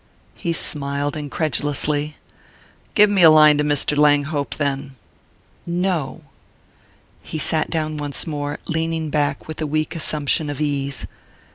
He smiled incredulously. "Give me a line to Mr. Langhope, then." "No." He sat down once more, leaning back with a weak assumption of ease.